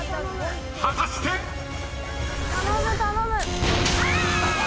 ［果たして⁉］頼む頼む。